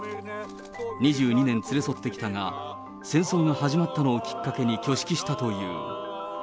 ２２年連れ添ってきたが、戦争が始まったのをきっかけに、挙式したという。